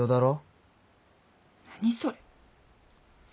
何それ。